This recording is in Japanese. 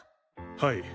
はい。